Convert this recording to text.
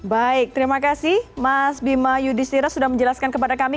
baik terima kasih mas bima yudhistira sudah menjelaskan kepada kami